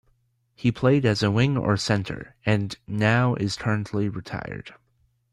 He played as a wing or centre and now is currently retired.